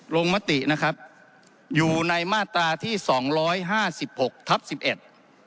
มตินะครับอยู่ในมาตราที่สองร้อยห้าสิบหกทับสิบเอ็ด